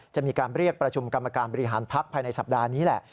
จะมีการเรียกประชุมกรรมการบริหารพักภายในสัปดาห์นี้แหละ